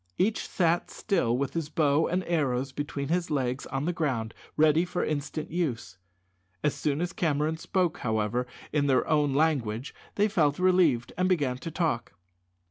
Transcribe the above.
Each sat still with his bow and arrows between his legs on the ground ready for instant use. As soon as Cameron spoke, however, in their own language they felt relieved, and began to talk.